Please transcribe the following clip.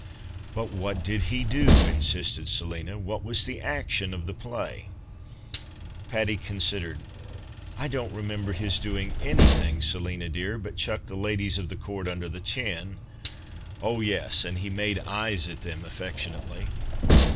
" But what did he do ?" insisted Selina, " What was the action of the play ?" Patty considered. " I don't remember his doing anything, Selina, dear, but chuck the ladies of the Court under the chin. Oh, yes, and he made eyes at them affectionately."